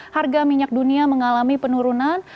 harga minyak dunia mengalami penurunan